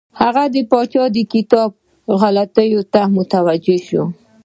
هغه پاچا د کتاب غلطیو ته متوجه شو.